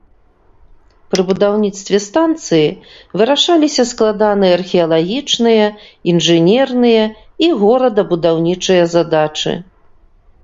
Пры будаўніцтве станцыі вырашаліся складаныя археалагічныя, інжынерныя і горадабудаўнічыя задачы.